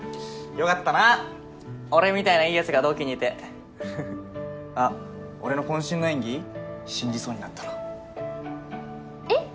よかったな俺みたいないいヤツが同期にいてあっ俺の渾身の演技信じそうになったろえっ？